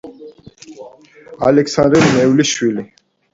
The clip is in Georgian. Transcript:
ალექსანდრე ნეველის შვილი.